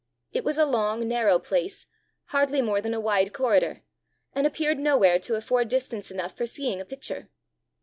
It was a long, narrow place, hardly more than a wide corridor, and appeared nowhere to afford distance enough for seeing a picture.